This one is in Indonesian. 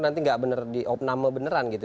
nanti nggak benar di oh nama beneran gitu